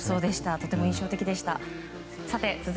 とても印象的でした。